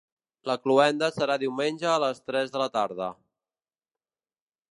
La cloenda serà diumenge a les tres de la tarda.